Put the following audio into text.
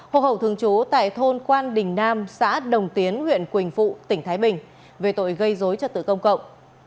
hồ hậu thường trú tại thôn quan đình nam xã đồng tiến huyện quỳnh phụ tỉnh thái bình về tội gây dối trật tự công cộng